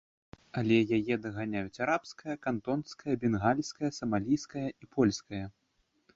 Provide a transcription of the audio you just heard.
Але яе даганяюць арабская, кантонская, бенгальская, самалійская і польская.